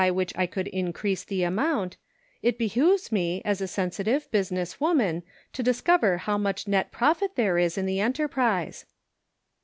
which I could increase the amount, it behooves me, as a sensible, business woman, to discover how much net profit there is in the enterprise."